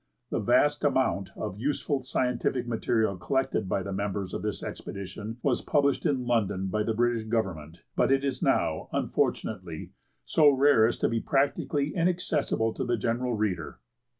The vast amount of useful scientific material collected by the members of this expedition was published in London by the British Government, but it is now, unfortunately, so rare as to be practically inaccessible to the general reader.